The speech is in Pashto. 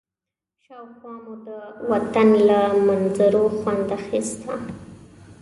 شاوخوا مو د وطن له منظرو خوند اخيسته.